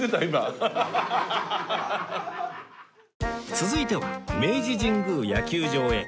続いては明治神宮野球場へ